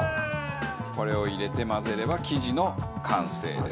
これを入れて混ぜれば生地の完成です。